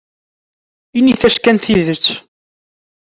Init-as kan tidet.